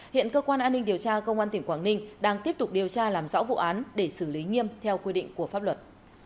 hiện cơ quan an ninh điều tra công an tỉnh quảng ninh đang tiếp tục điều tra làm rõ vụ án để xử lý nghiêm theo quy định của pháp luật